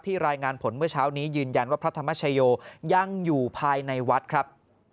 รายงานผลเมื่อเช้านี้ยืนยันว่าพระธรรมชโยยังอยู่ภายในวัดครับ